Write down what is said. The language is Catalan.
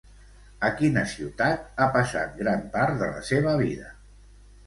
A quina ciutat ha passat gran part de la seva vida?